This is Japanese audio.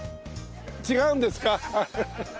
違うんですか？